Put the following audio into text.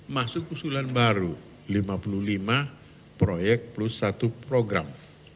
masuk usulan baru lima puluh lima proyek plus satu program